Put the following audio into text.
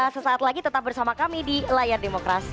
sesaat lagi tetap bersama kami di layar demokrasi